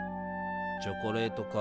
チョコレートか。